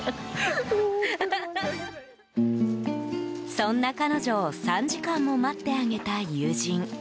そんな彼女を３時間も待ってあげた友人。